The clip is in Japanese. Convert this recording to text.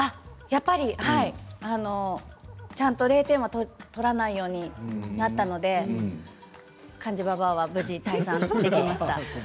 やっぱり０点も取らないようになったので漢字ババアは無事退散できました。